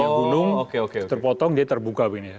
yang gunung terpotong dia terbuka